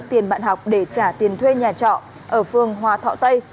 tiền bạn học để trả tiền thuê nhà trọ ở phương hòa thọ tây